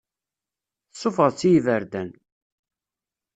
Tessufɣeḍ-tt i yiberdan.